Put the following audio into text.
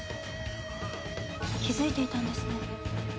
気づいていたんですね。